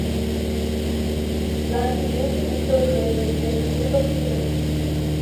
লাইনটি মেংজি উত্তর railway station থেকে দক্ষিণে চলে গেছে।